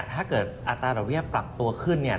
ถ้าเกิดอัตราเบี้ยปรับตัวขึ้นเนี่ย